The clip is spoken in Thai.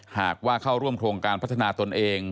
หากว่าเข้าร่วมโครงการพัฒนาตนเอง